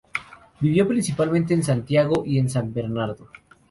Vivió principalmente en Santiago y en San Bernardo.